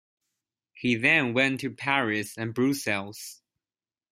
He then went to Paris and Brussels.